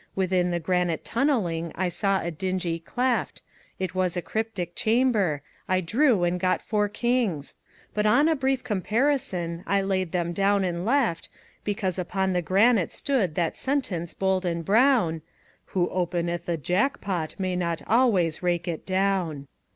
Within the granite tunneling I saw a dingy cleft; It was a cryptic chamber. I drew, and got four kings. But on a brief comparison I laid them down and left, Because upon the granite stood that sentence bold and brown: "Who openeth a jackpot may not always rake it down."